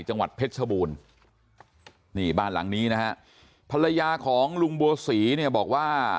จังหวัดเพชรชบูรณ์นี่บ้านหลังนี้นะฮะภรรยาของลุงบัวศรีเนี่ยบอกว่า